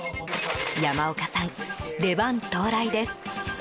山岡さん、出番到来です。